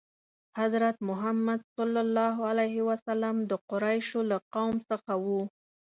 حضرت محمد ﷺ د قریشو له قوم څخه و.